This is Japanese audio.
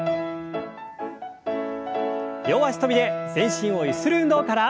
両脚跳びで全身をゆする運動から。